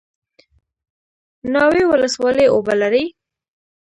ناوې ولسوالۍ اوبه لري؟